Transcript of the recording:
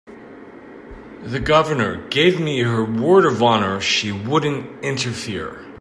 The Governor gave me her word of honor she wouldn't interfere.